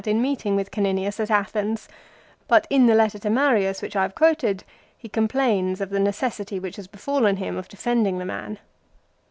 in meeting with Caninius at Athens ; but in the letter to Marius which I have quoted, he complains of the necessity which has befallen him of defending the man.